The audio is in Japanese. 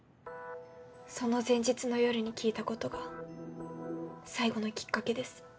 その前日の夜に聞いたことが最後のきっかけです。